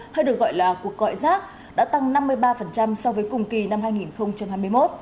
hay được gọi là cuộc gọi rác đã tăng năm mươi ba so với cùng kỳ năm hai nghìn hai mươi một